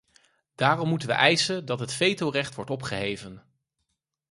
Daarom moeten we eisen dat het vetorecht wordt opgeheven.